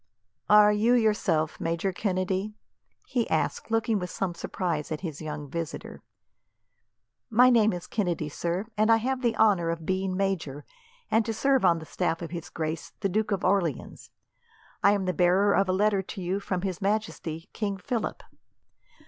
"Are you yourself Major Kennedy?" he asked, looking with some surprise at his young visitor. "My name is Kennedy, sir, and I have the honour of being major, and to serve on the staff of his grace, the Duke of Orleans. I am the bearer of a letter to you from His Majesty, King Philip."